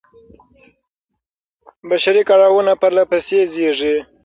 بشري کړاوونه پرله پسې زېږي.